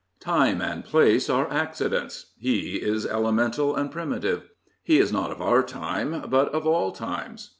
Time and place are accidents; he is elemen tal and primitive. He is not of our time, but of all times.